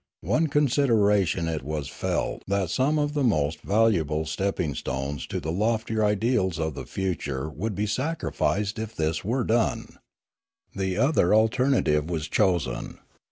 On considera tion it was felt that some of the most valuable stepping stones to the loftier ideals of the future would be sacrificed if this were done. The other alternative was chosen.